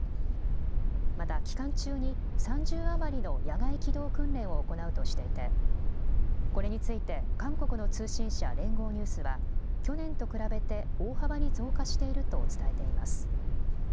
また期間中に３０余りの野外機動訓練を行うとしていてこれについて韓国の通信社、連合ニュースは去年と比べて大幅に増加していると伝えています。